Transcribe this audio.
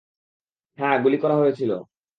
হ্যাঁ, গুলি করা হয়েছিল।